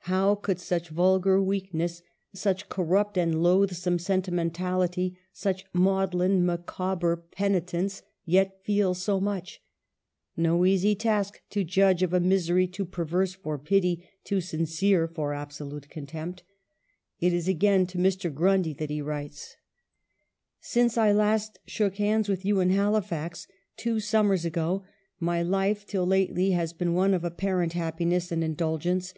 How could such vulgar weakness, such corrupt and loathsome sentimentality, such maudlin Micaw ber penitence, yet feel so much ! No easy task to judge of a misery too perverse for pity, too sincere for absolute contempt. It is again to Mr. Grundy that he writes :" Since I last shook hands with you in Halifax, two summers ago, my life, till lately, has been one of apparent happiness and indulgence.